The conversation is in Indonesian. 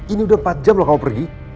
ini udah empat jam loh kamu pergi